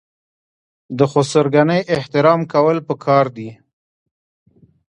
د خسرګنۍ احترام کول پکار دي.